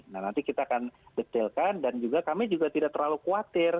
nah nanti kita akan detailkan dan juga kami juga tidak terlalu khawatir